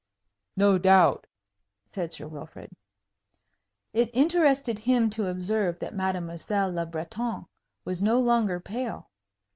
"No doubt," said Sir Wilfrid. It interested him to observe that Mademoiselle Le Breton was no longer pale.